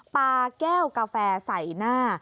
ปาแก้วกาแฟใส่หน้า